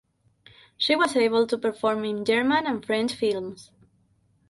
She was able to perform in German and French films.